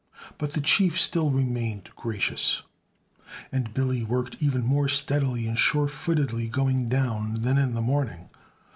But the Chief still remained gracious, and Billy worked even more steadily and sure footedly going down than in the morning.